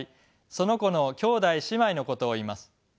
その子の兄弟姉妹のことを言います。